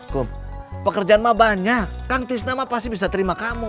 kum pekerjaan mah banyak kang tisnama pasti bisa terima kamu